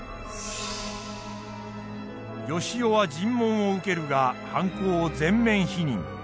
善男は尋問を受けるが犯行を全面否認。